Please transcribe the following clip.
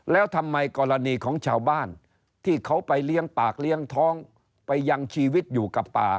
แล้วทำไมกรณีของชาวบ้านที่เขาไปเลี้ยงปากเลี้ยงท้องไปยังชีวิตอยู่กับป่า